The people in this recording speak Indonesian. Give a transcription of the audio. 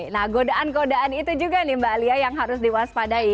nah godaan godaan itu juga nih mbak alia yang harus diwaspadai